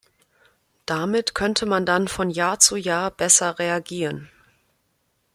Damit könnte man dann von Jahr zu Jahr besser reagieren.